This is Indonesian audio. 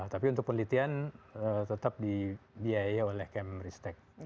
tapi untuk penelitian tetap dibiayai oleh kementerian risk stake brain